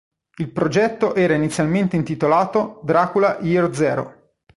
Il progetto era inizialmente intitolato "Dracula Year Zero".